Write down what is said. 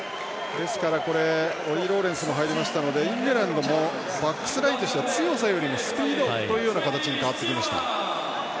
ですから、オリー・ローレンスも入りましたのでイングランドもバックスラインとしては強さよりもスピードという形に変わってきました。